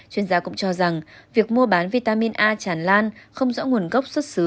chuyên gia cũng cho rằng việc mua bán vitamin a tràn lan không rõ nguồn gốc xuất xứ